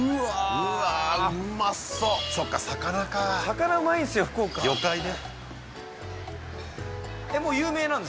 うまそうそっか魚か魚うまいんすよ福岡魚介ね